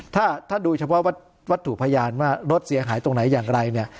ถ้าถ้าดูเฉพาะวัตถุพยานว่ารถเสียหายตรงไหนอย่างไรเนี่ย